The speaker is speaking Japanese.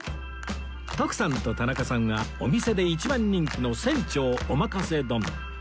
徳さんと田中さんはお店で一番人気の船長おまかせ丼